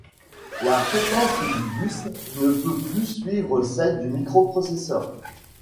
La fréquence du bus ne peut plus suivre celle du microprocesseur.